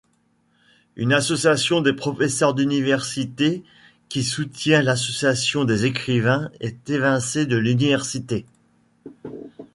Une association des professeurs d'université, qui soutient l'association des écrivains, est évincée de l'Université.